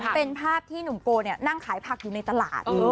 เป็นภาพที่หนุ่มโกนั่งขายผักอยู่ในตลาด